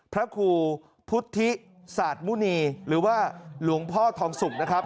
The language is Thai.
พระครูพุทธิศาสตร์มุณีหรือว่าหลวงพ่อทองสุกนะครับ